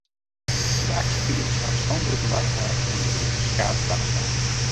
De aksjefierders hawwe spandoeken by har en der binne ferskate taspraken.